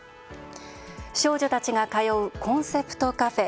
少女たちが通うコンセプトカフェ